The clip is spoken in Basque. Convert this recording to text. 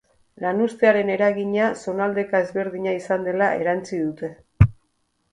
Lanuztearen eragina zonaldeka ezberdina izan dela erantsi dute.